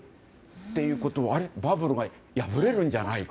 ということはバブルが破れるんじゃないか。